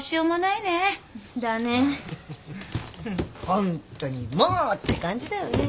ホントにもうって感じだよね。